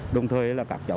đồng thời là các cháu